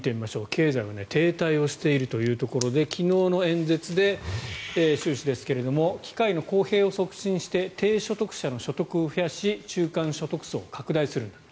経済は停滞しているというところで昨日の演説で、習氏ですが機会の公平を促進して低所得者の所得を増やし中間所得層を拡大するんだと。